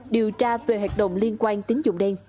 điều tra về hoạt động liên quan tính dụng đen